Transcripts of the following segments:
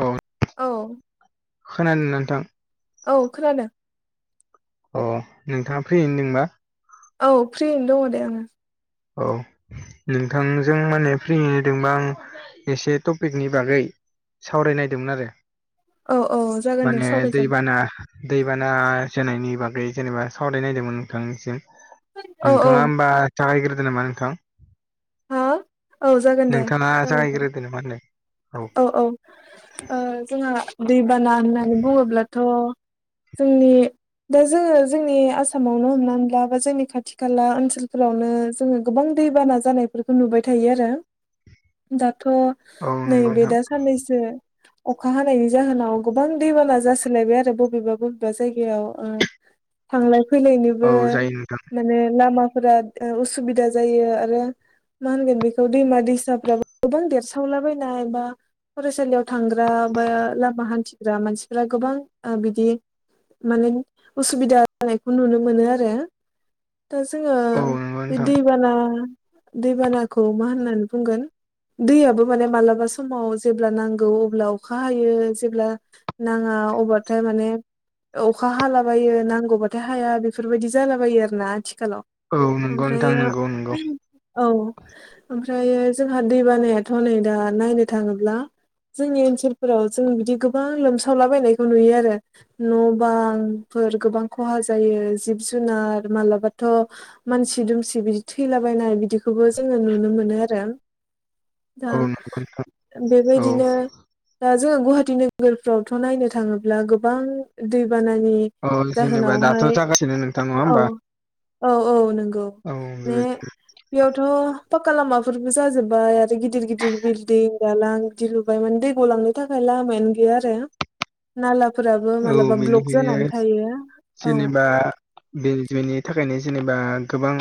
औ औ खोना [unintelligible] नोंथां? औ खोनादों। अ नोंथाङा फ्रियैनोदोंबा औ फ्रियैनो दङ' दे आङो। औ नोंथांजों माने फ्रियैनो दोंबा आं एसे टपिकनि बागै सावरायनायदोंमोन आरो। औ औ जागोन दे माने सावरायजागोन दैबाना दैबाना जोनायनि बागै जेनेबा सावरायनायदोंमोन नोंथांनिसिम औ औ नोंथाङा होमबा जागायग्रोदो नामा नोंथां? हा औ जागोन दे नोंथाङा [unintelligible] जागायग्रोदो नामा होनदों औ औ। ओ जोंहा दैबाना होननानै बुङोब्लाथ' जोंनि दा जोङो जोंनि आसामावनो हमनानैला बा जोंनि खाथि खाला ओनसोलफोरावनो जोङो गोबां दैबाना जानायफोरखौ नुबाय थायो आरो दाथ' औ नंगौ नैबे नोंथां दाज साननैसो अखा हानायनि जाहोनाव गोबां दैबाना जासोलायबाय आरो बबेबा बबेबा जायगायाव ओ [unintelligible] थांलाय औ फैलायनिबो जायो नोंथां माने लामाफोरा [unintelligible] उसुबिदा जायो आरो मा होनगोन बेखौ दैमा दैसाफ्राबो गोबां देरसावलाबायनायबा फरायसालियाव थांग्रा बा लामा हान्थिग्रा मानसिफोरा गोबां ओ बिदि माने उसुबिदा जानायखौ नुनो मोनो आरो। दा जोङो औ नंगौ बे नोंथां दैबाना दैबानाखौ मा होननानै बुंगोन? दैयाबो माने मालाबा समाव जेब्ला नांगौ अब्ला अखा हायो जेब्ला नाङा अबाथाय माने अखा हालाबायो नांगौबाथाय हाया बेफोरबायदि जालाबायो आरो ना आथिखालाव। औ नंगौ नोंथां ओमफ्रायो नंगौ नंगौ औ। ओमफ्रायो जोंहा दै बानायाथ' नै दा नायनो थाङोब्ला जोंनि ओनसोलफोराव जों बिदि गोबां लोमसावलाबायनायखौ नुयो आरो। न' बां फोर गोबां खहा जायो जिब जुनार मालाबाथ' मानसि दुमसि बिदि थैलाबायनाय बिदिखौबो जोङो नुनो मोनो आरो। दा औ नंगौ नोंथां औ बेबायदिनो दा जोङो गुवाहाटि नोगोरफ्रावथ' नायनो थाङोब्ला गोबां दैबानानि अ जेनेबा दाथ' जाहोनावहाय जागासिनो नोंथां नङा होमबा? औ औ औ नंगौ औ बे बेबायदि बेयावथ' पाक्का लामाफोरबो जाजोब्बाय आरो गिदिर गिदिर बिलडिं दालां बिदि लुबाय माने दै गलांनो थाखाय लामायानो गैया आरो। नालाफोराबो औ मालाबा ब्लक बेनिखायनो जानानै थायो औ। जेनेबा बे जुयनि थाखायनो जेनेबा गोबां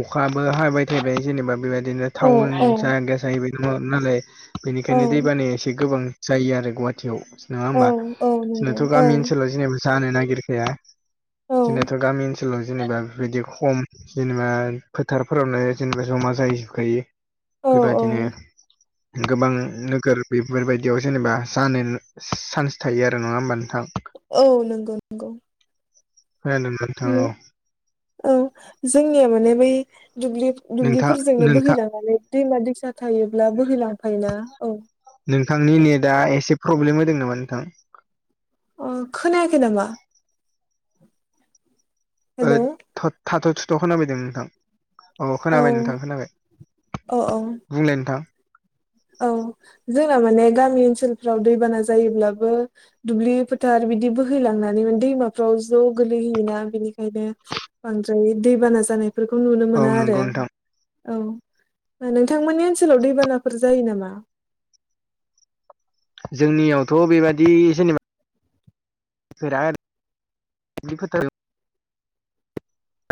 अखाबो हाबाय थाबाय जेनेबा बेबायदिनो औ टाउन औ जाहगा जाहैबाय नालाय औ बेनिखायनो दै बानाया एसे गोबां जायो आरो गुवाहाटियाव नङा औ होमबा? औ नंगौ जोंनाथ' औ गामि ओनसोलाव जेनेबा जानो नागिरखाया औ जोंनाथ' गामि ओन ओनसोलाव जेनेबा बेफोरबायदि खम जेनेबा फोथारफोरावनो जेनेबा जमा जाहैजोबखायो। औ बेबायदिनो गोबां नोगोर बेफोरबायदियाव जेनेबा जानो चान्स थायो आरो। दां नङा होमबा नोंथां? औ नंगौ। नंगौ खोनादों नोंथां औ औ जोंनिया माने बै दुब्लि नोंथां दुब्लिफोरजोंनो नोंथां बोहैलांनानै दैमा दैसा थायोब्ला बोहैलांफायोना औ। नोंथांनि नेटआ एसे प्रब्लेम होदों नामा नोंथां? अ खोनायाखै नामा? हेलौ ओथ थाथ' थुथ' खोना बैदों नोंथां। औ खोनाबाय नोंथां खोनाबाय औ औ बुंलाय नोंथां। औ जोंना माने गामि ओनसोलफ्राव दैबाना जायोब्लाबो दुब्लि फोथार बिदि बोहैलांनानै दैमाफ्राव ज' गोलैहैयोना बिनिखायनो बांद्राय दै बान जानाय बेफोरखौ नुनो औ मोना आरो नंगौ नोंथां औ नोंथांमोननि ओनसोलाव दैबानाफोर जायो नामा? जोंनियावथ' बेबादि जेनेबा फेरद [unintelligible]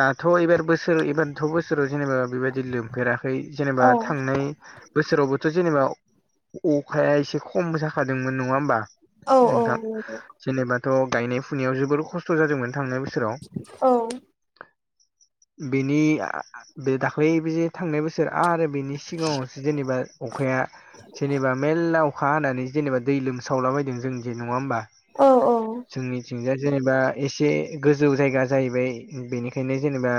दाथ' एबार बोसोर एबारथ' बोसोराव जेनेबा बेबायदि लोमफेरा। खै जेनेबा औ थांनाय बोसोरावबोथ' जेनेबा अखाया एसे खम जाखादोंमोन नङा होमबा? औ औ नोंथां जेनेबाथ' गायनाय फुनायाव जोबोर खस्थ' जादोंमोन थांनाय बोसोराव औ। बिनि आ बे दाख्लै बेे जे थांनाय बोसोर आरो बेनि सिगाङावसो जेनेबा अखाया जेनेबा मेल्ला अखा हानानै जेनेबा दै लोमसावलाबायदों जों जे नङा होमबा? औ औ जोंनिथिंजाय जेनेबा एसे गोजौ जायगा जाहैबाय। बेनिखायनो जेनेबा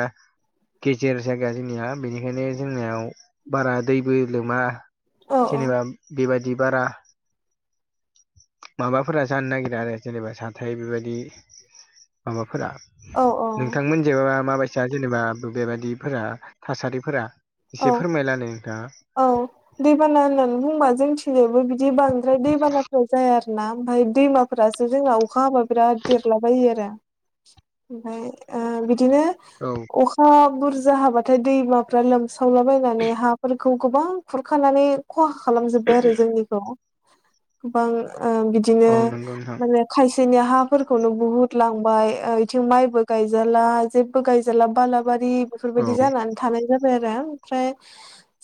गेजेर जायगा जोंनिया बेनिखायनो जोंनियाव बारा दैबो लोमा। औ जेनेबा बेबायदि बारा माबाफोरा जानो नागिरा आरो जेनेबा जाथथाय बेबायदि माबाफोरा औ औ नोंथांमोनथिंजायबा माबायदिबा जेनेबा दुब्लिफोरा थासारिफोरा एसे फोरमायलानो नोंथांङा औव दैबाना होननानै बुंबा जोंनिथिंजायबो बिदि बांद्राय दैबानाफ्रा जाया। आरो ना ओमफ्राय दैमाखौ फोरासो जोंना अखा हाबा बिराद देरलाबायो आरो ओमफ्राय ओ बिदिनो औव अखा बुरजा हाबाथाय दैमाफ्रा लोमसावलाबायनानै हाफोर खौ गोबां खुरखानानै खहा खालामजोब्बाय आरो जोंनिखौ गोबां औ बिदिनो नंगौ नोंथां माने खायसेनि हाफोरखौनो बुहुत लांबाय बिथिं माइबो गायजाला जे गायजाला बालाबारि औ बेफोरबायदि जानानै थानाय जाबाय आरो ओमफ्राय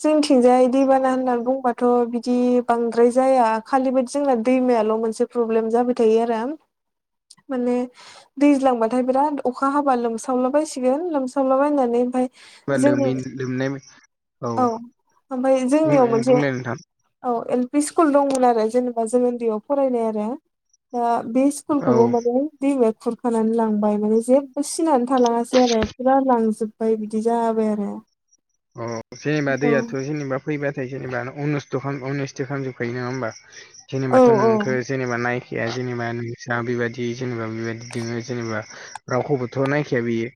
जोंथिंजाय दैबाना होननानै बुंबाथ' बिदि बांद्राय जाया खालि बाददि जोंना दैमायाल' मोनसे प्रब्लेम जाबाय थायो आरो माने दैज्लांबाथाय बिराद अखा हाबा लोमसावलाबायसिगोन लोमसावलाबायनानै ओमफफ्राय म ल लोमनाय औ ओमफ्राय जोंनियाव बुंलाय मोनसे बुंलाय नोंथां औ एल पि स्कुल दंमोन आरो जेनेबा जों उन्दैयाव फरायनाय आरो दा बे औ खौवबो माने दैमाया खुरखानानै लांबाय माने जेबो सिनानै थालांङासै आरो फुरा लांजोबबाय बिदि जाबाय आरो अ सिनिबा औ दैनिब फैबाथाय जेनेबा अनस्थ' अनुस्थ' खालामजोबखायो नंङा होमबा औ जेनबाथ' नोंखौ जेनेबा नायखैाया जेनेबा नोंस्रा बेबायदि जेनेबा बेबायदि दंङो जेनेबा रावखौबोथ' नायखाया बियो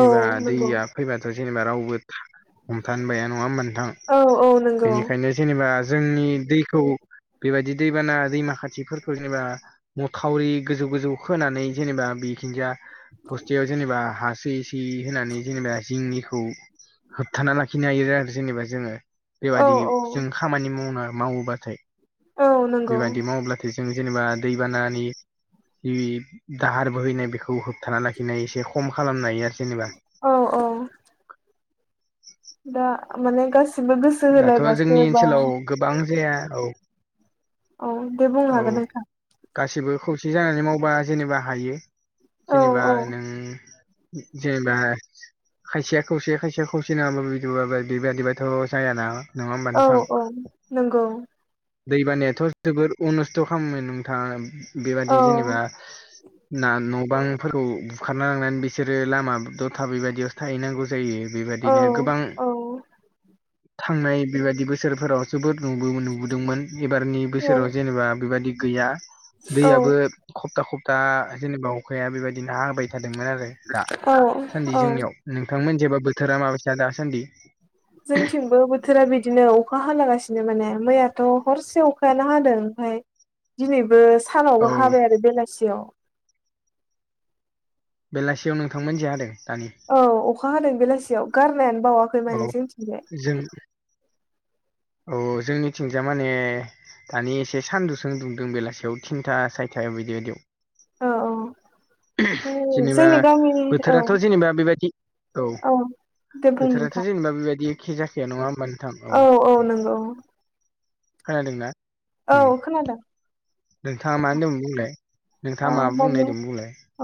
औ नंगौ दैया फैबाथ' जेनेबा रावबो हमथानो बाया नंङा होमबा नोंथां। औ औ नंगौ बेनिखायनो जेनेबा जोंनि दैखौ बेबायदि दैबाना दैमा खाथिफोरखौ जेनेबा माथावरि गोजौ गोजौ होनानै जेनेबा बेखिुनजया फस्थायाव जेनेबा हासय सयै होनानै जेनेबा जिंनिखौ होबथाना लाखिनो हायो आरो जेनेबा जोंङो औ बेबादि औ जों खामानि मावना मावोबाथाय औ नंगौ बेबायदि माव्लाथाय जों जेनेबा दैबानानि जि दाहार बोहैनाय बेखौ होबथाना लाखिनाय एसे खम खालामनो हायो आरो जेनेबा औव औव दा माने गासिबो गोसो दाथ' जोंनि होलायबासो बा ओनसोलाव गोबां जाया औ औ दे बुंनो औ हागोन नोंथां। गासिबो खौसे जानानै मावबा जेनेबा हायो औ जेनेबा औ नों जेनेबा खायसेया खौसे खायसेया खौसे नंङाबा बिदि बेबायादिबाथ' जायाना नङा औ औ नंगौ दैबानायाथ' जबोद उनुस्थ' खालामो नोंथांङा बेबादि औ जेनेबा ना न' बांफोरखौ बुखारना लांनानै बिसोरो लामा दथा बेबायदियावो थाहैनांगौ जायो। औ बेबाददिनो गोबां थांनाय बेबायाददि बोसोरफोराव जोबोद नुबो नुबोदोंमोन एबारनि औ बसोराव जेनेबा बेबायाददि गैया औ दैयाबो सब्था खब्ता जेनेबा अखाया बेबायदिनो होबाय थादोंमोन आरो औ दासान्दि औ जोंनियाव। नोंथांमोन जेबा बोथोरा माबादिसा दासान्दि? जोंथिंबो बोथोरा बिदिनो अखा हालागासिनो माने मैयाथ' हरसेयाव अ खायानो हादों ओमफाय, दिनैबो औ सानावबो हाबाय आरो बेलासियाव। बेलासियाव नोंथांमोन जो हादों दानि? औ, अखा हादों बेलासियाव गारनायानो बावाखै माने औ जोंथिंजाय। जों औ ओ जोंनिथिंजा माने दानि एसे सानदुंसो दुंदों बेलासियाव थिनथा सारिथायाव बिदि बिदियाव। औ औ। जेनेबा जोंनि गामिनि औ बोथोराथ' जेनेबा बेबायदि औ। दे बुं नोंथां बोथोराथ' जेनेबा बेबायदि एखे जाखाया नङा होमबा औ औ नंगौ। खोनादों ना? औ खोनादों। नोंथाङा मा होन्दोंमोन बुंलाय, औ नोंथाङा माबा बुंनो माने नागेरदोंमोन बुंलाय। औ,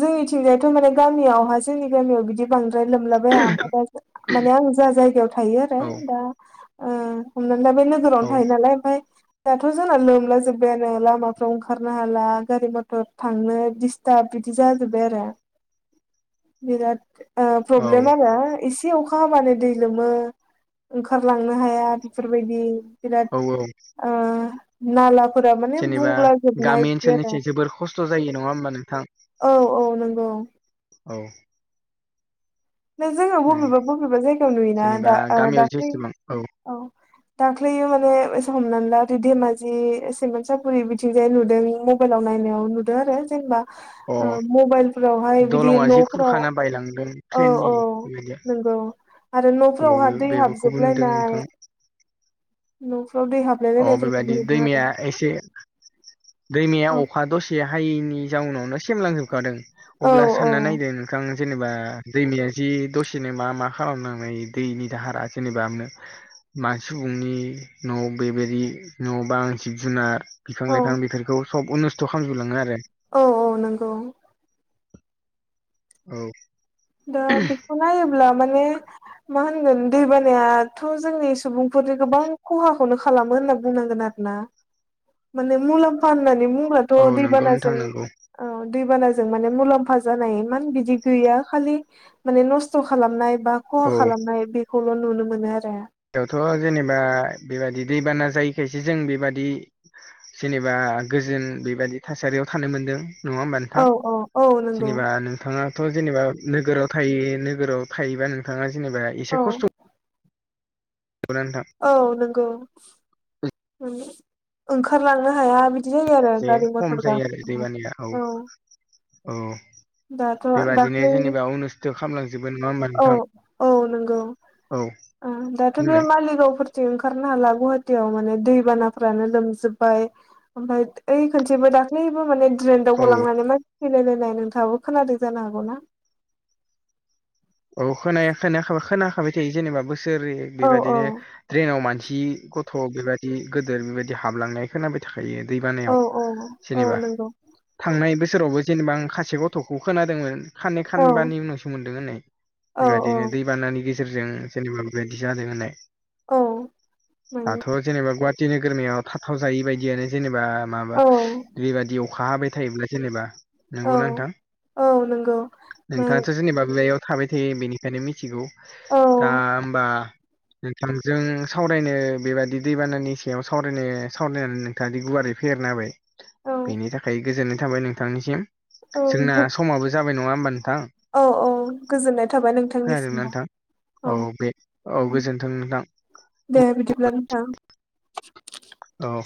जोंनिथिंजायथ' माने गामियावहा जोंनि गामियाव बिदि बांद्राय लोमलाबाया ओमफाय दा माने आं जा जायगायाव थायो आरो औ दा ओ हमनानै दा बे लो औ हरावनो थायो नालाय ओमफाय दाथ' जोंना लोमला जोब्बायानो लामाफ्राव ओंखारनो हाला गारि मटर थांनो डिसटार्ब बिदि जाजोब्बाय आरो बिराद ओ औ प्रब्लेम आरो इस से अखा हाबानो दै लोमो ओंखारलांनो हाया बेफोरबायदि। बिराद औ औ ओ नालाफोरा माने जेनेबा बुंला जोबनाय गामि बिदि आरो। ओनसोलनिसो जोबोर खस्थ' जायो नङा होमबा नोंथां? औ औ नंगौ। औ। बे जोङो औ बबेबा बबेबा जायगायाव नुयोना जेनेबा दा ओ गामियाव दाख्लि जेसेबां औ। दाख्लैयो माने एसे हमनानै ला धे-धेमाजि सिमांसाफुरि बिथिंजाय नुदों म बाइलाव नाइनायाव नुदों आरो जेनेबा ओ अ मबाइल फोरावहाय बिदि दलङा जि न'फोराव खुरखाना बायलांदों औ ट्रेननि औ बेबायदि नंगौ, आरो औ न'फोरावहा दै बेबोखौबो नुदों हाबजोबलायनाय नोंथां न'फोराव दै हाबलाय अ लायनाय बेबायदि फोरखौबो नुदों आरो। दैमाया एसे दैमाया औ अखा दसे हायैनि जाउनावनो सेमलांजोबखादों औ अब्ला सान्ना नायदो नोंथां जेनेबा दैमाया जि दसेनो मा मा खालामनांनाय दैनि दाहारा जेनेबानो मा सुबुंनि न'आव बेबायदि न'आव बा जिब जुनार बि औ फां बेफोरखौ सब अन्नुस्थ' खालामजोबलाङो आरो। औ औ नंगौ। औ। दा बेखौ नाइयोब्ला माने मा होनगोन दै बानायाथ' जोंनि सुबुं फोरनि गोबां खहा खौनो खालामो होनना बुंनांगोन आरोना। माने मुलाम्फा होन्नानै बुंब्ला - थ' औ नंगौ नोंथां दैबानाजों नंगौ औ दैबानाजों माने मुलाम्फा जानाय इमान बिदि गैया खालि माने नस्थ' खालामनाय बा खहा औ खालामनाय बेखौल' नुनो मोनो आरो। बेवथ' जेनेबा बेबादि दैबाना जायैखायसो जों बेबादि जेनेबा गोजोन बेबायदि थासारियाव थानो मोनदों। नङा होमबा नोंथां? औ औ औ नंगौ जेनेबा नोंथाङा थ' जेनेबा नोगोराव थायो नोगोराव थायोबा नोंथाङा जेनेबा औ एसे खस्थ' नंगौ ना नोंथां? औ नंगौ। उम ओंखारलांनो हाया बि दा एसे खम जायो आरो दैबानाया औ। औ दाथ' बेबादिनो दाख्लै जेनेबा अनुस्थ' खालामलांजोबगोन नङा होमबा औ नोंथां? औ नंगौ औ दाथ' ओ बे बुंलाय मालिगावफोर थिं ओंखारनो हाला गुवाहाटियाव माने दैबानाफ्रानो लोमजोबबाय ओमफाय ओइ खनसेबो दाख्लैबो माने ड्रेन दाव औ गलांनानै मानसि थैलायलायनाय नोंथाङाबो खोनादों जानो हागौ ना? औ खोनाया खोनाखाबा खोनाखाबाय थायो जेनेबा बोसोरै औ औ बेबायदिनो द्रेनाव मानसि गथ' बेबायदि गोदोर बेबायदि हाबलांनाय खोनाबाय थायो दै औ बानायाव औ औ जेनेबा नंगौ थांनाय बोसोरावबो जेनेबा आं खा से गथ'खौ खोनादोंमोन खाननै औ खानबानि उनावसो मोनदों होननाय औ औ बेबादिनो दैबानानि गेजेरजों जेनेबा बेबायदि जादों होननाय औ मोन थ' जेनेबा गुवाहाटि नोगोरमायाव थाथाव जायि बायदियानो जेनेबा माबा औ बेबादि अखा हाबाय थायोब्ला जेनेबा औ नंगौना नोंथां औ नंगौ औ नोंथाङाथ' जेनेबा बेयाव थाबाय थायो बेनिखायनो मिथिगौ औ दा ओमबा नोंथांजों सावरायनो बेबादि दैबानानि सायाव सावरायनो सावरायनानै नों दादि गुवारै फेहेरना होबाय औ बेनि थाखाय गोजोननाय थाबाय नोंथांनिसिम जोंना समाबो जाबाय नङा होमबा नोंथां औ औ गोजोननाय थाबाय नोंथा खोनादोंना नोंथां औ बे औ गोजोनथों नोंथां। दे बिदिब्ला नोंथां औ